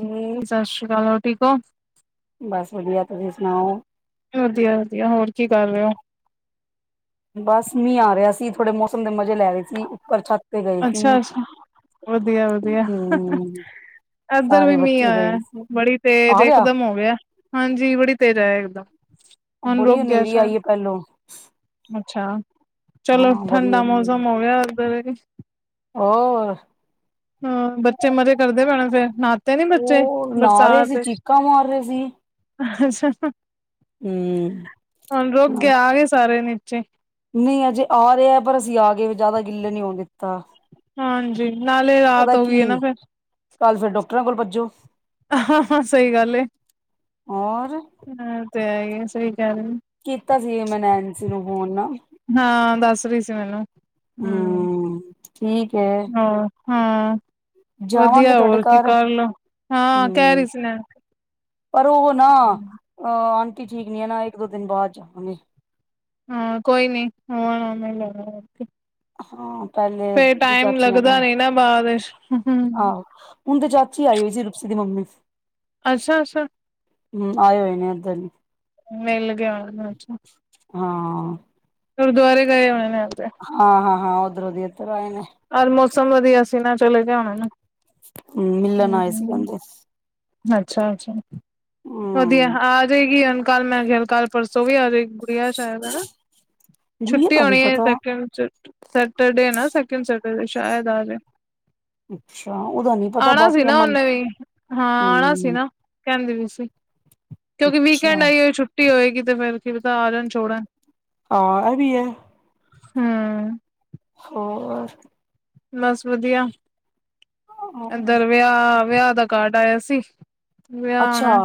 ਜੀ ਸਤਿ ਸ਼੍ਰੀ ਅਕਾਲ, ਹੋਰ ਠੀਕ ਔ। ਬਸ ਵਧੀਆ, ਤੁਸੀਂ ਸੁਣਾਓ? ਵਧੀਆ ਵਧੀਆ, ਹੋਰ ਕੀ ਕਰ ਰਹੇ ਹੋ? ਬਸ ਮੀਂਹ ਆ ਰਿਹਾ ਸੀ, ਥੋੜੇ ਮੌਸਮ ਦੇ ਮਜ਼ੇ ਲੈ ਰਹੇ ਸੀ, ਉੱਪਰ ਛੱਤ ਤੇ ਗਏ ਸੀ ਅੱਛਾ ਅੱਛਾ, ਵਧੀਆ ਵਧੀਆ। ਹਮ ਇਧਰ ਸਾਰੇ ਵੀ ਮੀਂਅ ਬੱਚੇ ਗਏ ਆਇਆ, ਸੀ ਬੜੀ ਤੇਜ ਇਕਦਮ ਹੋ ਗਿਆ ਹਾਂਜੀ ਬੜੀ ਤੇਜ਼ ਆਇਆ ਇਕਦਮ। ਅ ਹੁਣ ਬੜੀ ਰੁਕ ਗਿਆ ਹਨੇਰੀ ਸ਼ਾਇਦ ਆਈ ਐ, ਪਹਿਲੋਂ। ਅੱਛਾ, ਚਲੋ ਹਾਂ ਬੜੀ ਠੰਡਾ ਹਨੇਰੀ ਮੌਸਮ ਹੋ ਗਿਆ [unintelligible] ਹੋਰ ਹਾਂ, ਬੱਚੇ ਮਜ਼ੇ ਕਰਦੇ ਪੈਏ ਹੋਣੇ ਫੇਰ, ਨਹਾਤੇ ਨੀ ਬੱਚੇ ਉਹ ਨਾ ਰਹੇ ਬਰਸਾਤ ਸੀ ਇਚ ਚੀਕਾਂ ਮਾਰ ਰਹੇ ਸੀ ਅਛਾ, ਹਮ ਹੁਣ ਰੁਕ ਗਿਆ ਆ ਗਏ ਸਾਰੇ ਨੀਚੇ। ਨਈ ਅਜੇ ਆ ਰਿਆ, ਪਰ ਅਸੀਂ ਆ ਗਏ ਜ਼ਿਆਦਾ ਗਿੱਲੇ ਨੀ ਹੋਣ ਦਿੱਤਾ। ਹਾਂਜੀ, ਨਾਲੇ ਰਾਤ ਪਤਾ ਹੋ ਕੀ ਗਈ ਐ ਨਾ ਫੇਰ। ਕੱਲ ਫਿਰ ਡਾਕਟਰਾਂ ਕੋਲ ਭੱਜੋ। ਹਾਂ ਹਾਂ ਸਹੀ ਗੱਲ ਏ। ਔਰ ਇਹ ਤੇ ਹੈ ਈ ਐ, ਸਹੀ ਕਹਿ ਰਹ ਉ। ਕੀਤਾ ਸੀ ਮੈ ਨੈਨਸੀ ਨੂੰ ਫੋਨ ਨਾ। ਹਾਂ, ਦੱਸ ਰਹੀ ਸੀ ਮੈਨੂੰ ਹਂ ਹੂੰ ਠੀਕ ਹੈ ਹਾਂ। ਹਾਂ, ਜਾਵਾਂਗੇ ਵਧੀਆ ਤੁਹਾਡੇ ਹੋਰ ਕੀ ਘਰ ਕਰਲੋ ਹਾਂ, ਕਹਿ ਹੂੰ ਰਹੀ ਸੀ ਨੈ ਪਰ ਉਹ ਨਾ ਅਹ ਆਂਟੀ ਠੀਕ ਨੀ ਐ ਨਾ, ਇੱਕ ਦੋ ਦਿਨ ਬਾਅਦ ਜਾਵਾਂਗੇ। ਹਾਂ, ਕੋਈ ਨੀ ਆ ਮੈਂ ਲੈ [inaudible] ਹਾਂ ਪਹਿਲੇ ਜੇ ਚਾਚੀਆਂ ਦਾ, ਲੱਗਦਾ ਨੀ ਨਾ ਬਾਅਦ ਵਿੱਚ ਆਹੋ। ਹੁਣ ਤੇ ਚਾਚੀ ਆਈ ਹੋਈ ਸੀ ਰੁਕਸੀ ਦੀ ਮੰਮੀ। ਅਛਾ ਅਛਾ। ਹਂ, ਆਏ ਹੋਏ ਨੇ ਇੱਧਰ ਨੂੰ। ਮਿਲ ਗਿਆ ਆ ਚ ਹਾਂ। ਗੁਰਦੁਆਰੇ ਗਏ ਹੋਣੇ ਨੇ ਉਹ ਤੇ। ਹਾਂ ਹਾਂ ਹਾਂ ਓਦਰੋਂ ਦੀ ਇਧਰ ਆਏ ਨੇ। ਅੱਜ ਮੌਸਮ ਵਧੀਆ ਸੀ ਨਾ ਚਲੇਗੇ ਹੋਣੇ ਨੇ। ਮਿਲਣ ਆਏ ਸੀ ਹੂੰ ਕਹਿੰਦੇ। ਅੱਛਾ- ਅੱਛਾ ਵਧੀਆ, ਹੂੰ ਆ ਜੇ ਗੀ ਹੁਨ ਕੱਲ ਮੈਂ ਗ ਕੱਲ ਪਰਸੋਂ ਵੀ ਆ ਜੇ ਗੀ। ਛੁਟੀ ਐ ਸ਼ਾਇਦ ਹਨਾ, ਗੁੜੀਆ ਛੁੱਟੀ ਦਾ ਨੀ ਹੋਣੀ ਐ ਪਤਾ ਸੈਕਿੰਡ ਸੈਟ ਅਰਡੇ, ਸ ਸੈਟਰਡੇ ਐ ਨਾ ਸੈਕਿੰਡ ਸੈਟ ਮੈਂ ਕਿਹਾ ਸ਼ਾਇਦ ਆ ਜਾਏ। ਅੱਛਾ, ਉਹਦਾ ਨੀ ਪਤਾ ਆਣਾ ਸੀ ਬਾਕੀਆਂ ਨਾ ਉਹਨੇ ਮੰਥ ਵੀ ਹਾਂ ਆਉਣਾ ਸੀ ਨਾ, ਕਹਿੰਦੇ ਵੀ ਸੀ, ਕਿਉਂਕਿ ਵੀਕਐਂਡ ਅੱਛਾ ਆਈ ਹੋਈ ਛੁੱ ਛੁਟੀ ਹੋਏਗੀ ਤੇ ਫੇਰ ਕੀ ਪਤਾ ਆ ਜਾਣ, ਛੋੜਣ ਹਾਂ ਇਹ ਵੀ ਹੈ। ਹੂੰ। ਹੋਰ? ਬਸ ਵਧੀਆ। ਇਧਰ ਵਿਆਹ- ਵਿਆਹ ਦਾ ਕਾਰਡ ਆਇਆ ਸੀ ਵਿਆਹ ਅੱਛਾ ਆਉਣਾ।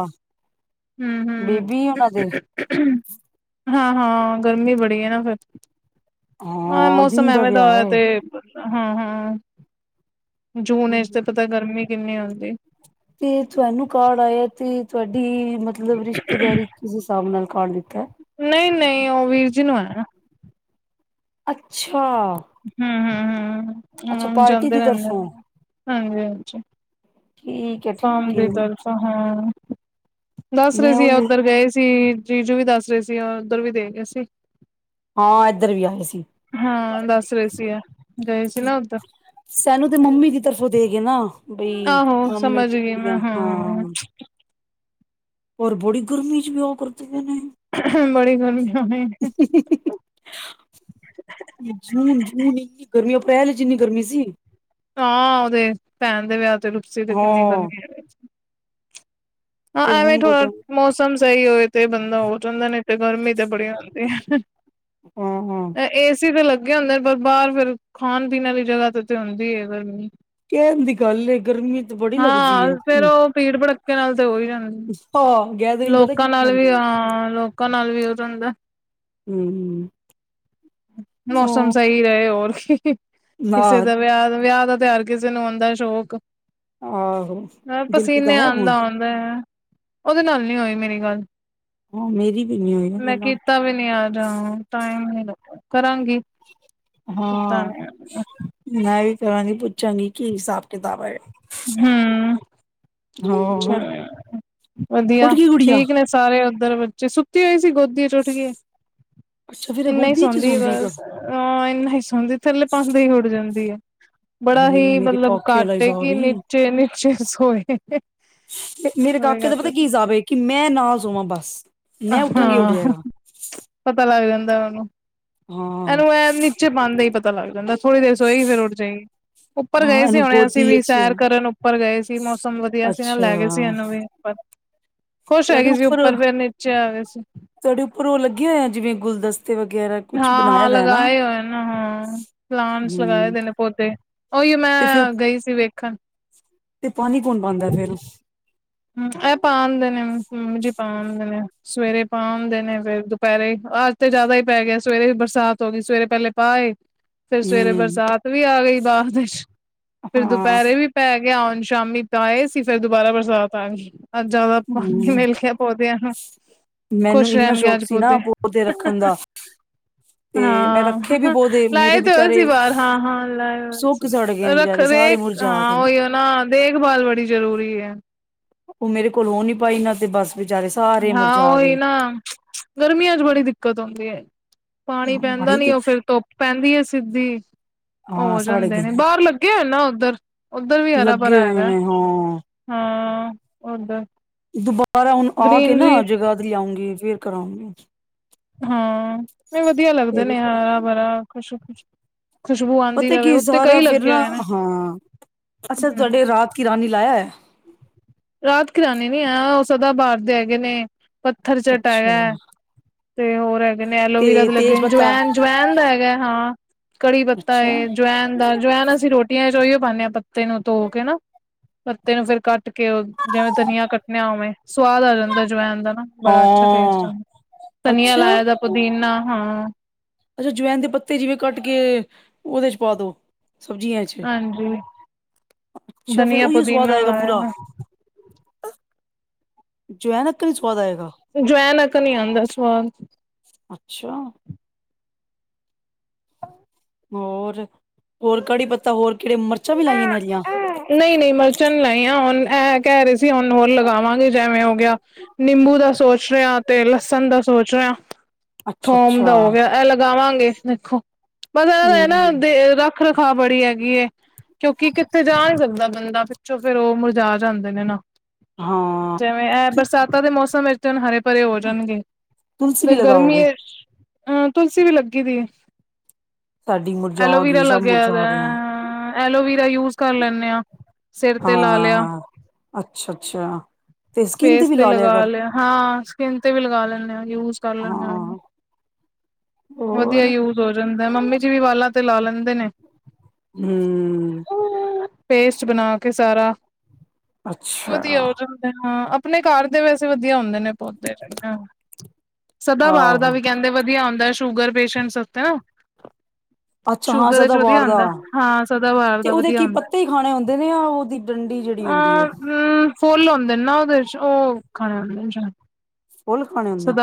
ਹੂੰ- ਬੇਬੀ ਉਹਨਾਂ ਦੇ ਹੂੰ ਹਾਂ- ਹਾਂ ਗਰਮੀ ਬੜੀ ਹੈ ਨਾ ਫੇਰ। ਹਾਂ ਮੌਸਮ ਦਿਨ ਐਵੇਂ ਦਾ ਵਿਆਹ ਹੋਇਆ ਏ ਤੇ ਹਾਂ- ਹਾਂ। ਜੂਨ ਵਿੱਚ ਤੇ ਪਤਾ ਗਰਮੀ ਕਿੰਨੀ ਹੁੰਦੀ। ਤੇ ਤੁਹਾਨੂੰ ਕਾਰਡ ਆਇਆ ਤੇ ਤੁਹਾਡੀ ਮਤਲਬ ਰਿਸ਼ਤੇਦਾਰੀ ਕਿਸੇ ਹਿਸਾਬ ਨਾਲ। ਕਾਰਡ ਦਿੱਤਾ ਹੈ। ਨਈ- ਨਈ ਉਹ ਵੀਰ ਜੀ ਨੂੰ ਆਇਆ ਨਾ। ਅੱਛਾ। ਹੂੰ- ਹੂੰ, ਅੱਛਾ ਹੂੰ ਪਾਰਟੀ ਜਾਂਦੇ ਦੀ ਰਹਿੰਦੇ ਤਰਫੋਂ ਹਾਂਜੀ- ਹਾਂਜੀ। ਠੀਕ ਹੈ ਫੋਮ ਠੀਕ ਹੈ ਦੀ ਤਰਫ ਹਾਂ ਦੱਸ ਰਹੇ ਮੈਂ ਸੀ ਏਹ ਉਹੀ ਉੱਧਰ ਗਏ ਸੀ। ਤੇ ਜੀਜੂ ਵੀ ਦੱਸ ਰਹੇ ਸੀ ਆ ਉੱਧਰ ਵੀ ਦੇ ਗਏ ਸੀ। ਹਾਂ ਇਧਰ ਵੀ ਆਏ ਸੀ ਹਾਂ ਕਾਰਡ ਦੇ ਦੱਸ ਗਏ ਰਹੇ ਸੀ ਆ ਗਏ ਨਾ ਸੀ। ਉੱਧਰ ਸਾਂਨੂੰ ਤੇ ਮੰਮੀ ਦੀ ਤਰਫੋਂ ਦੇ ਗਏ ਨਾ ਬਈ ਆਹੋ ਮਾਮੇ ਸਮਝ ਦੀ ਗਈ ਮੈਂ ਕੁੜੀਆਂ ਹਾਂ। ਔਰ ਬੜੀ ਗਰਮੀ ਚ ਤ ਵਿਆਹ ਕਰਦੇਆਂ ਨੇ। ਬੜੀ ਗਰਮੀ ਹੋਣੀ ਜੂਨ- ਜੂਨ ਏਨੀ ਗਰਮੀ, ਅਪ੍ਰੈਲ ਚ ਏਨੀ ਗਰਮੀ ਸੀ। ਹਾਂ ਉਹਦੇ ਪੈਣ ਦੇ ਵਿਆਹ ਤੇ ਰੁੱਪਸੀ ਤੇ ਕਿੰਨੀ ਹਾਂ ਗਰਮੀ ਹੈ ਸੀ। ਹਾਂ ਤੇ ਐਵੇਂ ਹੁਣ ਥੋੜਾ ਪਤਾ ਮੌਸਮ ਮੌਸਮ ਸਹੀ ਹੋਵੇ ਤੇ ਬੰਦਾ ਉਹ ਚਾਹੁੰਦਾ ਨੇ ਤੇ ਗਰਮੀ ਤੇ ਬੜੀ ਹੁੰਦੀ ਹੈ। ਹੂੰ- ਹੂੰ। ਏ ਸੀ ਤੇ ਲੱਗੇ ਹੁੰਦੇ ਪਰ ਬਾਹਰ ਫੇਰ ਖਾਣ- ਪੀਣ ਵਾਲੀ ਜਗਾ ਤੇ, ਤੇ ਹੁੰਦੀ ਹੈ ਗਰਮੀ। ਕਹਿਣ ਦੀ ਗੱਲ ਏ, ਗਰਮੀ ਤੇ ਬੜੀ ਲੱਗਦੀ ਏ ਹਾਂ ਫੇਰ ਹੂੰ। ਉਹ ਭੀੜ ਭੜੱਕਕੇ ਨਾਲ ਤੇ ਹੋ ਹੀ ਜਾਂਦੀ, ਹਾਂ ਗੈਦਰਿੰਗ ਪਤਾ ਲੋਕਾਂ ਕਿੰਨੀ ਨਾਲ ਹੁੰਦੀ ਵੀ ਏ। ਹਾਂ ਲੋਕ ਲੋਕਾ ਨਾਲ ਵੀ ਹੋ ਜਾਂਦਾ ਹੈ। ਹੂੰ- ਹੂੰ। ਮੌਸਮ ਸਹੀ ਰਹੇ ਹੋਰ ਕੀ, ਨਾ ਕਿਸੇ ਦਾ ਵਿਆਹ ਵਿਆਹ ਦਾ ਤੇ ਹਰ ਕਿਸੇ ਨੂੰ ਹੁਦਾ ਹੈ ਸ਼ੌਕ। ਆਹੋ ਦਿਲਪ੍ਰੀਤ ਦਾ ਆਇਆ ਫ਼ੋਨ? ਮੈਂ ਉਹਦੇ ਨਾਲ ਨੀ ਹੋਈ ਮੇਰੀ ਗੱਲ। ਹਾਂ ਮੇਰੀ ਵੀ ਨੀ ਹੋਈ ਨਾ ਮੈਂ ਮੇਰੇ ਨਾਲ ਕੀਤਾ ਵੀ ਨੀ ਅਜ ਓਨੂੰ ਟਾਇਮ ਨਈ ਲਗਾ ਕਰਾਗੀ। ਹਾਂ ਮੈਂ ਵੀ ਕਰਾ ਨੀ ਪੁੱਛਾਂਗੀ ਕੀ ਹਿਸਾਬ- ਕਿਤਾਬ ਹੈ। ਹੂੰ ਹਾਂ ਹੋਰ ਉੱਠ ਵਧੀਆ ਗਈ ਗੁੜੀਆ ਠੀਕ ਨੇ ਸਾਰੇ ਉੱਧਰ ਬੱਚੇ ਸੁੱਤੀ ਹੋਈ ਸੀ ਗੋਦੀ ਚ ਉੁੱਠ ਗਈ ਅੱਛਾ ਫੇਰ ਇਹ ਇੰਨਾ ਹੀ ਗੋਦੀ ਚ ਸੌਂਦੀ ਐ ਕ ਬਸ। ਅਹ ਇੰਨਾ ਹੀ ਸੌਦੀ ਥੱਲੇ ਪਾਦੇ ਹੀ ਉੱਡ ਜਾਂਦੀ ਆ ਬੜਾ ਹੇ ਹੀ ਮੇਰੇ ਮਤਲਬ ਕਾਕੇ ਵਾਲਾ ਘੱਟ ਹਿਸਾਬ ਈ ਜੇ ਨੀਚੇ ਸੋਏ। ਤੇ ਮੇਰੇ ਉਹਦੇ ਕਾਕੇ ਦਾ ਘੱਟ ਪਤਾ ਕੀ ਜਾਬ ਹੈ ਕਿ ਮੈਂ ਨਾ ਸੋਵਾਂ ਬਸ ਮੈਂ ਉੱਠਾਂਗੀ ਉੱਠ ਹਾਂ ਜਾਏਗਾ ਪਤਾ ਲੱਗ ਜਾਂਦਾ ਉਹਨੂੰ ਹਾਂ ਇਹਨੂੰ ਇਹ ਨੀਚੇ ਪਾਦੇ ਹੀ ਪਤਾ ਲੱਗ ਜਾਂਦਾ ਥੋੜੀ ਦੇਰ ਸੌਈ ਫਿਰ ਉਠ ਜਾਏਗੀ ਉੱਪਰ ਗਏ ਹਾਂ ਸੀ ਇਹਨੂੰ ਹੁਣੇ ਅਸੀਂ ਗੋਦੀ ਵੀ ਚ ਸੈਰ ਕਰਨ ਉੱਪਰ ਗਏ ਸੀ ਮੌਸਮ ਵਧੀਆ ਸੀ ਨਾਲ ਅੱਛਾ ਲੈ ਗਏ ਸੀ ਇਹਨੂੰ ਵੀ ਖੁਸ਼ ਹੈਗੀ ਸੀ ਉੱਪਰ ਫੇਰ ਨੀਚੇ ਆ ਗਏ ਸੀ ਤੁਹਾਡੇ ਉੱਪਰ ਉਹ ਲੱਗਿਆ ਹੋਆ ਜਿਵੇਂ ਗੁਲਦਸਤੇ ਵਗੈਰਾ ਕੁਛ ਹਾਂ- ਬਣਾਇਆ ਹਾਂ ਦਾ ਹੈ ਨਾ ਲਗਾਏ ਹੋਏ ਨੇ ਹਾਂ ਪਲਾਂਟਸ ਲਗਾਏ ਹਮ ਦੇ ਨੇ ਪੋਦੇ ਉਹੀ ਤੇ ਫਿਰ ਮੈਂ ਗਈ ਸੀ ਵੇਖਣ ਤੇ ਪਾਣੀ ਕੌਣ ਪਾਉਂਦਾ ਫੇਰ ਹਮ ਇਹ ਪਾ ਆਂਦੇ ਨੇ ਮੰਮੀ ਜੀ ਪਾ ਆਂਦੇ ਨੇ ਸਵੇਰੇ ਪਾ ਆਂਦੇ ਨੇ ਫਿਰ ਦੁਪਹਿਰੇ ਅੱਜ ਤੇ ਜ਼ਿਆਦਾ ਹੀ ਪੈ ਗਿਆ ਸਵੇਰੇ ਵੀ ਬਰਸਾਤ ਹੋ ਗਈ ਸਵੇਰੇ ਪਹਿਲੇ ਪਾ ਆਏ। ਫੇਰ ਸਵੇਰੇ ਹਮ ਬਰਸਾਤ ਵੀ ਆ ਗਈ ਬਾਅਦ ਵਿੱਚ ਫਿਰ ਹਾਂ ਦੁਪਹਿਰੇ ਵੀ ਪੈ ਗਿਆ ਆਉਣ ਸ਼ਾਮੀ ਤਾਂ ਆਏ ਸੀ ਫਿਰ ਦੁਬਾਰਾ ਬਰਸਾਤ ਆ ਗਈ। ਅੱਜ ਜਿਆਦਾ ਪਾਣੀ ਹਮ ਮਿਲ ਗਿਆ ਪੌਦਿਆਂ ਨੂੰ ਮੈਨੂੰ ਖੁਸ਼ ਇੰਨਾ ਰਹਿਣਗੇ ਸ਼ੌਕ ਅੱਜ ਸੀ ਨਾ ਪੌਦੇ ਰੱਖਣ ਦਾ ਤੇ ਮੈਂ ਰੱਖੇ ਵੀ ਹਾਂ ਪੌਦੇ ਮੇਰੇ ਲਾਏ ਤੇ ਹੋਏ ਸੀ ਵਿਚਾਰੇ ਬਾਹਰ ਹਾਂ ਹਾਂ ਲਾਏ ਹੋਏ ਸੁੱਕ ਸੀ। ਸੜ ਗਏ ਨੇ ਰੱਖ ਵਿਚਾਰੇ ਸਾਰੇ ਰੇਖ ਮੁਰਝਾ ਹਾਂ ਗਏ ਨੇ ਉਹੀ ਉਹ ਨਾ ਦੇਖਭਾਲ ਬੜੀ ਜ਼ਰੂਰੀ ਹੈ। ਉਹ ਮੇਰੇ ਕੋਲੋ ਹੋ ਨੀ ਪਾਈ ਇਨਾਂ ਤੇ ਬਸ ਵਿਚਾਰੇ ਸਾ ਹਾਂ ਉਹੀ ਨਾ ਗਰਮੀਆਂ ਚ ਬੜੀ ਦਿੱਕਤ ਹੁੰਦੀ ਏ। ਪਾਣੀ ਪੈਂਦਾ ਬੜੀ ਨੀ ਤੇ ਉਹ ਫਿਰ ਧੁੱਪ ਪੈਂਦੀ ਹੈ ਸਿੱਧੀ ਹਾਂ ਹੋ ਸੜ ਜਾਂਦੇ ਗਏ ਨੇ ਬਾਹਰ ਲੱਗੇ ਹੋਏ ਨਾ ਉਧਰ ਉਧਰ ਵੀ ਹਰਾ ਲੱਗੇ ਭਰਾ ਹੋਏ ਹੈਗਾ ਏ। ਨੇ ਹਾਂ ਹਾਂ ਉਹਦਾ ਦੁਬਾਰਾ ਹੁਣ ਆ ਕੇ ਨਾ ਜਗਾਧਰੀ ਆਉਂਗੀ ਫਿਰ ਕਰਾਉਂਗੀ ਹਾਂ ਨਹੀਂ ਵਧੀਆ ਲੱਗਦੇ ਫੇਰ ਹੀ ਨੇ ਕਰਾਂਗੀ ਹਰਾ ਭਰਾ ਖੁਸ਼ ਖੁਸ਼ ਖੁਸ਼ਬੂ ਆਉਂਦੀ ਪਤਾ ਰਹੇ ਕੀ ਉੱਤੇ ਸਾਰਾ ਕਈ ਫਿਰ ਲੱਗੇ ਨਾ ਹੋਏ ਨੇ ਹਾਂ ਅੱਛਾ ਹਮ ਤੁਹਾਡੇ ਰਾਤ ਕੀ ਰਾਨੀ ਲਾਇਆ ਹੈ। ਰਾਤ ਕੀ ਰਾਨੀ ਨੀ ਆ ਉਹ ਸਦਾ ਬਾਹਰ ਦੇ ਹੈਗੇ ਨੇ ਪੱਥਰ ਚੱਟ ਅੱਛਾ ਹੈਗਾ ਤੇ ਹੋਰ ਹੈਗੇ ਨੇ ਤੇ ਐਲੋਵੀਰਾ ਦੇ ਤੇਜ ਲੱਗੇ ਨੇ ਪੱਤਾ ਜਵੈਨ ਜਵੈਨ ਦਾ ਹੈਗਾ ਹਾਂ ਕੜੀ ਪੱਤਾ ਅੱਛਾ ਹਾਂ ਏ ਜਵੈਨ ਦਾ ਜਵੈਨ ਅਸੀਂ ਰੋਟੀਆਂ ਚ ਉਹੀਓ ਪਾਨੇ ਹਾਂ। ਪੱਤੇ ਨੂੰ ਧੋ ਕੇ ਨਾ ਪੱਤੇ ਨੂੰ ਫਿਰ ਕੱਟ ਕੇ ਜਿਵੇਂ ਧਨੀਆ ਕੱਟਣਾ ਐਵੇਂ ਸਵਾਦ ਆ ਜਾਂਦਾ ਜਵੈਨ ਦਾ ਨਾ ਬੜਾ ਅੱਛਾ ਟੇਸਟ ਆ। ਧਨੀਆ ਅੱਛਾ ਲਾਇਆ ਦਾ ਪੁਦੀਨਾ ਹਾਂ। ਅੱਛਾ ਜਵੈਨ ਦੇ ਪੱਤੇ ਜਿਵੇਂ ਕੱਟ ਕੇ ਉਹਦੇ ਚ ਪਾ ਦੋ। ਸਬਜ਼ੀਆਂ ਚ ਹਾਂਜੀ ਅੱਛਾ ਫੇਰ ਧਨੀਆ ਉਹੀਓ ਸਵਾਦ ਪੁਦੀਨਾ ਆਏਗਾ ਲਾਇਆ ਪੂਰਾ ਵਾ ਜਵੈਨ ਅਕਨ ਵੀ ਸਵਾਦ ਆਏਗਾ ਜਵੈਨ ਅਕਨ ਨੀ ਆਉਂਦਾ ਸਵਾਦ ਅੱਛਾ ਹੋਰ ਹੋਰ ਕੜੀ ਪੱਤਾ ਹੋਰ ਕਿਹੜੇ ਮਿਰਚਾਂ ਵੀ ਲਾਈਆਂ ਨੇ ਹਰੀਆਂ ਨਹੀਂ ਨਹੀਂ ਮਰਚਾਂ ਨੀ ਲਾਈਆਂ ਹੁਣ ਇਹ ਕਹਿ ਰਹੇ ਸੀ ਹੁਣ ਹੋਰ ਲਗਾਵਾਂਗੇ ਜਿਵੇਂ ਉਹ ਗਿਆ ਨਿੰਬੂ ਦਾ ਸੋਚ ਰਹੇ ਆਂ ਤੇ ਲਸਣ ਦਾ ਸੋਚ ਰਹੇ ਆ ਅੱਛਾ ਥੋਮ ਅੱਛਾ ਦਾ ਹੋ ਗਿਆ। ਇਹ ਲਗਾਵਾਂਗੇ ਦੇਖੋ ਬਸ ਪਰ ਇਹਨਾਂ ਹਮ ਦੀ ਨਾ ਰੱਖ ਰਖਾਵ ਬੜੀ ਹੈਗੀ ਏ ਕੀ ਕਿੱਥੇ ਜਾ ਨਹੀਂ ਸਕਦਾ ਬੰਦਾ ਪਿੱਛੋਂ ਫਿਰ ਉਹ ਮੁਰਝਾ ਜਾਂਦੇ ਨੇ ਨਾ। ਹਾਂ ਜਿਵੇਂ ਇਹ ਬਰਸਾਤਾਂ ਦੇ ਮੌਸਮ ਵਿੱਚ ਤਨ ਹਰੇ ਭਰੇ ਹੋ ਜਾਣਗੇ, ਤੁਲਸੀ ਵੀ ਤੇ ਗਰਮੀ ਲਗਾਓਗੇ ਚ ਅ ਤੁਲਸੀ ਵੀ ਲੱਗੀ ਪਈ ਏ। ਸਾਡੀ ਮੁਰਝਾ ਐਲੋਵੇਰਾ ਗਈ ਸਭ ਲੱਗਿਆ ਹੋਇਆ, ਮੁਰਝਾ ਗਿਆ ਐਲੋਵੀਰਾ ਯੂਜ ਕਰ ਲੈਦੇ ਆ। ਸਿਰ ਤੇ ਲਾ ਲਿਆ, ਹਾਂ, ਅੱਛਾ-ਅੱਛਾ, ਤੇ ਸਕੀਨ ਤੇ ਵੀ ਲਾ ਲਿਆ ਕਰ। ਹਾਂ, ਸਕਿੰਨ ਤੇ ਵੀ ਲਗਾ ਲੈਂਦੇ ਹਾਂ ਯੂਜ ਕਰ ਲੈਣਾ ਹਾਂ। ਵਧੀਆ ਹੋਰ ਹੂੰ, ਯੂਜ ਹੋ ਜਾਂਦਾ, ਮੰਮੀ ਜੀ ਵੀ ਵਾਲਾਂ ਤੇ ਲਾ ਲੈਂਦੇ ਨੇ। ਹਮ। ਪੇਸਟ ਬਣਾ ਕੇ ਸਾਰਾ ਅੱਛਾ ਵਧੀਆ ਹੋਜਨ। ਹਾਂ, ਆਪਣੇ ਘਰ ਦੇ ਵੈਸੇ ਵਧੀਆ ਹੁੰਦੇ ਨੇ, ਪੌਦੇ ਜਹੜੇ। ਸਦਾ ਬਹਾਰ ਦਾ ਆਹੋ ਵੀ ਕਹਿੰਦੇ, ਵਧੀਆ ਆਉਂਦਾ ਸ਼ੂਗਰ ਪੇਸ਼ੈਂਟ ਉੱਤੇ ਅੱਛਾ ਹਾਂ ਸ਼ੂਗਰ ਵਿੱਚ ਵਧੀਆ ਸਦਾਬਹਾਰ ਦਾ ਆਉਂਦਾ ਹਾਂ। ਸਦਾ ਬਾਹਰ ਤੇ ਦਾ ਉਹਦੇ ਵਧੀਆ ਕੀ, ਹੁੰਦਾ। ਪੱਤੇ ਹੀ ਖਾਣੇ ਹੁੰਦੇ ਨੇ ਆ, ਉਹਦੀ ਡੰਡੀ ਜਿਹੜੀ ਹੁੰਦੀ ਹੈ। ਹਮ ਫੁੱਲ ਹੁੰਦੇ ਨੇ ਨਾ ਉਹਦੇ ਚ, ਉਹ ਖਾਣੇ ਹੁੰਦੇ ਨੇ। ਫੁੱਲ ਖਾਣੇ ਹੁੰਦੇ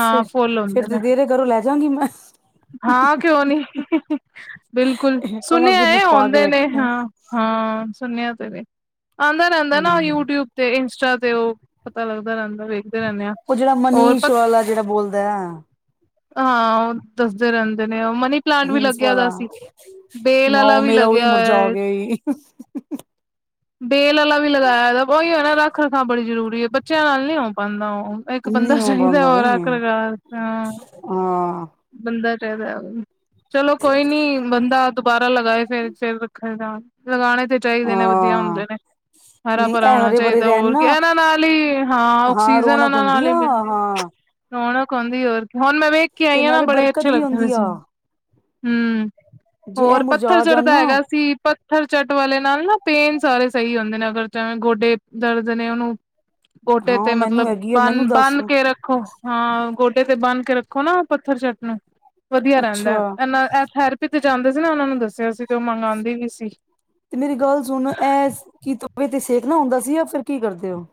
ਫ, ਫੁੱਲ ਹੁੰਦੇ ਫਿਰ ਨੇ ਤੇ ਤੇਰੇ ਘਰੋਂ ਲੈ ਜਾਂਗੀ ਮੈਂ। ਹਾਂ, ਕਿਉਂ ਨੀ ਬਿਲਕੁਲ, ਸੁਣਿਆ ਕਮਲਪ੍ਰੀਤ ਨੂੰ ਹੈ ਖਵਾ ਕੇ ਆਉਂਦੇ ਨੇ। ਵੇਖਦੇ ਆ। ਹਾਂ- ਹਾਂ। ਸੁਣਿਆ ਤੇ ਵੇ। ਆਉਂਦਾ ਰਹਿੰਦਾ ਨਾ ਹੂੰ, ਯੂਟਿਊਬ ਤੇ ਇੰਸਟਾ ਤੇ, ਉਹ ਪਤਾ ਲੱਗਦਾ ਰਹਿੰਦਾ ਵੈ। ਉਹ ਜਿਹੜਾ ਮਨੀਸ਼ ਵਾਲਾ, ਜਿਹੜਾ ਬੋਲਦਾ ਆ। ਹਾਂ। ਉਹ ਦੱਸਦੇ ਰਹਿੰਦੇ ਨੇ ਉਹ, ਮਨੀ ਪਲਾਂਟ ਵੀ ਹਿਮਸ ਲੱਗਿਆ ਵਾਲਾ ਦਾ ਸੀ, ਬੇਲ ਵਾਲਾ ਮਾਓ ਵੀ ਮੇਰਾ ਉਹੀ ਲੱਗਿਆ ਹੋਇਆ ਮੁਰਝਾ ਹੈ। ਗਿਆ ਈ ਬੇਲ ਵਾਲਾ ਵੀ ਲਗਾਇਆ। ਉਹੀ ਹੋ ਨਾ ਰੱਖ ਕਰਨਾ ਬੜੀ ਜ਼ਰੂਰੀ ਏ,। ਬੱਚਿਆਂ ਨਾਲ ਨੀ ਆ ਪਾਉਂਦਾ ਉਹ। ਇੱਕ ਬੰਦਾ ਨੀ ਹੋ ਚਾਹੀਦਾ ਪਾਉਂਦਾ ਹੋਰ ਬਈ ਆਖਰਕਾਰ। ਹ ਹਾਂ। ਬੰਦਾ ਚਾਹੀਦਾ ਹੈ। ਚਲੋ ਕੋਈ ਨੀ ਬੰਦਾ ਦੁਬਾਰਾ ਲਗਾਏ ਫਿਰ ਫਿਰ ਰੱਖਣ ਜਾ। ਲਗਾਣੇ ਤੇ ਚਾਹੀਦੇ ਨੇ। ਵਧੀਆ ਹਾਂ ਹੁੰਦੇ ਨੇ। ਹਰਾ ਨਹੀਂ ਭਰਾ ਇਹ ਹੋਣਾ ਹਰੇ ਭਰੇ ਚਾਹੀਦਾ। ਰਹਿਣ ਹੋਰ ਨਾ ਇਹਨਾਂ ਨਾਲ ਹੀ। ਹਾਂ। ਆਕਸੀਜਨ, ਰੌਣਕ ਇਹਨਾਂ ਹੁੰਦੀ ਨਾਲ ਹੀ ਆ ਮਿਲਦੀ। ਹਾਂ ਰੌਣਕ ਆਉਂਦੀ ਹੋਰ ਕੀ। ਹੁਣ ਮੈਂ ਵੇਖ ਕੇ ਤੇ ਆਈ ਹਾਂ, ਨਾ ਨਾਲੇ ਬੜੇ ਬਰਕਤ ਅੱਛੇ ਵੀ ਲੱਗਦੇ ਪਏ ਹੁੰਦੀ ਸੀ। ਆ ਹਮ। ਜੇ ਇਹ ਹੋਰ ਪੱਥਰ ਮੁਰਝਾ ਜਾਣ ਚੜ੍ਹਦਾ ਨਾ ਹੈਗਾ ਸੀ ਪੱਥਰ ਚੱਟ ਵਾਲੇ ਨਾਲ ਨਾ ਪੇਨ ਸਾਰੇ ਸਹੀ ਹੁੰਦੇ ਨੇ। ਅਗਰ ਚਾਵੇਂ ਗੋਡੇ ਦਰਦ ਨੇ। ਉਹਨੂੰ ਗੋਡੇ ਤੇ ਹਾਂ ਮੈਨੂੰ ਮਤਲਬ ਹੈਗੀ ਆ ਬਨ ਮੈਨੂੰ ਦੱਸ -ਬੰਨ ਕੇ ਰੱਖ ਰੱਖੋ ਹਾਂ। ਗੋਡੇ ਤੇ ਬੰਨ ਕੇ ਰੱਖੋ ਨਾ ਪੱਥਰ ਚੱਟ ਨੂੰ ਵਧੀਆ ਰਹਿੰਦਾ। ਅੱਛਾ ਇਹਨਾਂ ਇਹ ਥੈਰੇਪੀ ਤੇ ਜਾਂਦੇ ਸੀ, ਨਾ ਉਹਨਾਂ ਨੇ ਦੱਸਿਆ ਸੀ, ਤੇ ਉਹ ਮੰਗਵਾਉਂਦੇ ਵੀ ਸੀ। ਤੇ ਮੇਰੀ ਗੱਲ ਸੁਣੋ। ਇਹ ਕਿ ਤੋ ਤੇ ਸੇਕ ਨਾ ਹੁੰਦਾ ਸੀ। ਜਾਂ ਫਿਰ ਕੀ ਕਰਦੇ ਹੋ?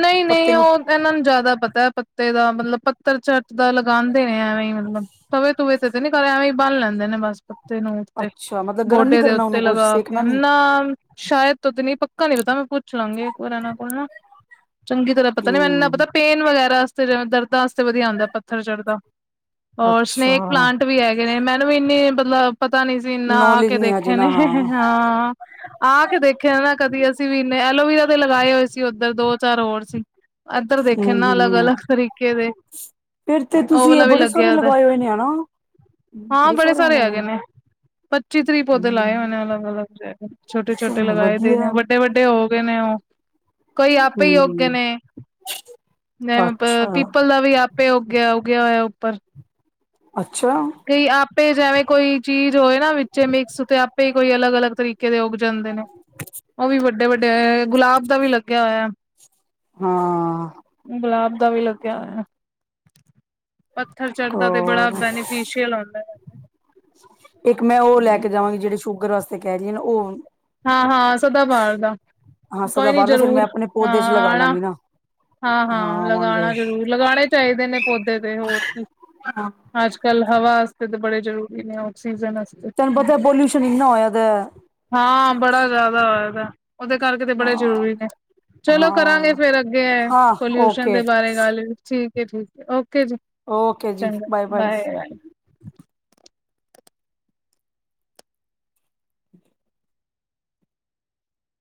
ਨਹੀਂ- ਪੱਤੇ ਨਹੀਂ। ਨੂੰ ਉਹ ਇਹਨਾਂ ਨੂੰ ਜ਼ਿਆਦਾ ਪਤਾ ਹੈ, ਪੱਤੇ ਦਾ। ਮਤਲਬ ਪੱਤਰ ਚ ਤਾਂ ਲਗਾਉਂਦੇ ਨੇ ਐਵੇਂ ਹੀ, ਮਤਲਬ ਤਵੇ ਤੂਵੇ ਤੇ ਨੀ ਕਰ। ਐਵੇਂ ਹੀ ਬੰਨ ਲੈਂਦੇ ਨੇ ਬਸ। ਪੱਤੇ ਨੂੰ ਉਤੇ, ਅੱਛਾ ਮਤਲਬ ਗਰਮ ਨੀ ਗੋਡੇ ਦੇ ਕਰਨਾ ਉੱਤੇ ਉਹਨੂੰ ਕੁਛ ਲਗਾ ਕੇ, ਸੇਕਣਾ ਨੀ ਨਾ ਸ਼ਾਇਦ ਤ ਤੇ ਨਹੀਂ। ਪੱਕਾ ਨੀ ਪਤਾ। ਮੈਂ ਪੁੱਛ ਲਾਂਗਈ ਇਨ੍ਹਾਂ ਦੇ ਕੋਲ ਨਾ। ਚੰਗੀ ਤਰ੍ਹਾਂ ਪਤਾ ਨੀ। ਮੈਨੂੰ ਇੰਨਾ ਹਮ ਪਤਾ, ਪੇਨ ਵਗੈਰਾਤੇ, ਦਰਦਾਂ ਵਸਤੇ, ਵਧੀਆ ਆਉਂਦਾ। ਪੱਥਰ ਚਟ ਦਾ। ਔਰ ਅੱਛਾ ਸਨੇਕ ਪਲਾਂਟ ਵੀ ਹੈਗੇ ਨੇ। ਮੈਨੂੰ ਵੀ ਇੰਨਨੀ ਮਤਲਬ ਪਤਾ ਨੀ ਪਸੀਨਾ ਆ ਨੌਲੇਜ ਕੇ ਨੀ ਹਜੇ ਦੇਖੇ ਨਾ ਨੇ, ਹਾਂ ਹਾਂ। ਆ ਕੇ ਦੇਖਿਆ ਨਾ ਕਦੀ। ਅਸੀਂ ਵੀ ਇੰਨੇ ਐਲੋਵਰਾ ਦੇ ਲਗਾਏ ਹੋਏ ਸੀ, ਉੱਧਰ ਦੋ ਚਾਰ ਹੋਰ ਸੀ। ਏਧਰ ਦੇਖੇ, ਹਮ ਨਾ ਅਲੱਗ -ਅਲੱਗ ਤਰੀਕੇ ਦੇ। ਫੇਰ ਤੇ ਉਹ ਤੁਸੀਂ, ਇਹ ਵਾਲਾ ਵੀ ਬੜੇ ਸਾਰੇ ਲੱਗਿਆ ਦਾ ਲਗਾਏ ਹੋਏ ਨੇ, ਹਨਾ। ਹਾਂ, ਬੜੇ ਸਾਰੇ ਹੈਗੇ ਨੇ। ਪੱਚੀ ਤਰੀਹ ਪੋਧੇ ਹੂੰ ਲਾਏ ਹੋਏ ਨੇ, ਓਹਨਾ ਨੇ ਅਲੱਗ- ਅਲੱਗ। ਛੋਟੇ ਛੋਟੇ ਚਲੋ ਲਗਾਏ ਦੇ ਨੇ, ਵਧੀਆ ਵੱਡੇ- ਵੱਡੇ ਹੋ ਕੇਵੇ ਓ? ਪੇ ਈ ਉੱਘੇ ਹੂੰ, ਨੇ, ਜੇਵੇ ਪ ਅੱਛਾ, ਪੀਪਲ ਦਾ ਵੀ ਆ ਪੇ ਓਗੇਆ ਉਗੇਆ ਹੋਏਆ ਓਪਰ। ਅੱਛਾ। ਕਈ ਆਪੇ ਜੈਵੇਂ ਕੋਈ ਚੀਜ਼ ਹੋਏ ਨਾ ਵਿੱਚ ਮਿਕਸ ਤੇ ਆਪੇ ਕੋਈ ਅਲਗ-ਅਲਗ ਤਰੀ ਕੇ ਦੇ ਉਗ ਜਾਂਦੇ ਨੇ, ਓਵੀ ਵੱਡੇ-ਵੱਡੇ ਐ ਗੁਲਾਬ ਦਾ ਵੀ ਲੱਗੇਆ ਹੋਏਆ। ਹਾਂ। ਗੁਲਾਬ ਦਾ ਵੀ ਲੱਗੇਆ ਹੋਏਆ। ਪੱਥਰ ਚਟਦਾ ਤੇ ਬੜਾ ਹੋਰ ਬੈਨੀਫੀਸ਼ਲ ਆ। ਇੱਕ ਮੈਂ ਓ ਲੈ ਕੇ ਜਾਵਾਂਗੀ ਜੇੜੇ ਸ਼ੂਗਰ ਵਾਸਤੇ ਕੈ ਰਈ ਆ ਨਾ ਓ ਹਾਂ-ਹਾਂ ਸਦਾ ਬਾਰ ਦਾ, ਹਾਂ ਕੋਈ ਨੀ ਸਦਾਬਹਾਰ ਦਾ ਫਿਰ ਮੈਂ ਜਰੂਰ, ਆਪਣੇ ਹਾਂ ਪੌਦੇ ਚ ਲਗਾ ਆਣਾ ਲਾਂਗੀ ਨਾ ਹਾਂ ਹਾਂ-ਹਾਂ ਆਵਾਂਗੇ। ਲਗਾਣਾ ਜ਼ਰੂਰ ਲਗਾਣੇ ਚਾਈਦੇ ਨੇ ਪੌਦੇ ਤੇ ਹੋਰ ਹਾਂ। ਅੱਜ-ਕੱਲ ਹਵਾ ਆਸਤੇ ਤਾਂ ਬੜੇ ਜਰੂਰੀ ਨੇ ਆਕਸੀਜਨ ਧਾਨੂੰ ਪਤਾ ਪਲਊਸ਼ਨ ਈਨਾ ਹੋਏਆ ਦੇਆ। ਹਾਂ ਬੜਾ ਜਾ਼ਦਾ ਹੋਏਆ ਪੇਆ, ਓਦੇ ਕਰਕੇ ਤੇ ਬੜੇ ਹਾਂ ਜ਼ਰੂਰੀ ਨੇ। ਚਲੋ ਕਰਾਂਗੇ ਹਾਂ ਫੇਰ ਅੱਗੇ, ਹਾਂ ਪਲਊਸ਼ਨ ਓਕੇ ਦੇ ਬਾਰੇ ਗੱਲ, ਠੀਕ ਏ ਠੀਕ ਓਕੇ ਜੀ। ਓਕੇ ਜੀ ਚੰਗਾ ਬਾਏ ਬਾਏ।